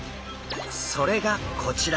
それがこちら。